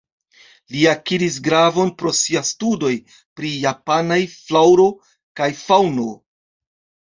Li akiris gravon pro sia studoj pri japanaj flaŭro kaj faŭno.